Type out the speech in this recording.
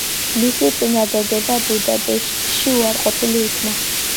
მისი წინადადება ბუდაპეშტში უარყოფილ იქნა.